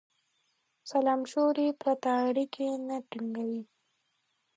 سلامشورې پرته اړیکې نه ټینګوي.